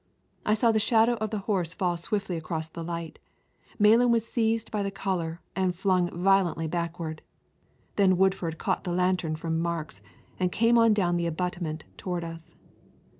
I saw the shadow of the horse fall swiftly across the light. Malan was seized by the collar and flung violently backward. Then Woodford caught the lantern from Marks and came on down the abutment toward us.